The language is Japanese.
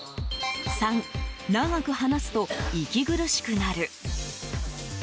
３、長く話すと息苦しくなる。